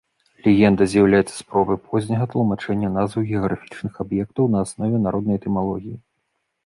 Легенда з'яўляецца спробай позняга тлумачэння назваў геаграфічных аб'ектаў на аснове народнай этымалогіі.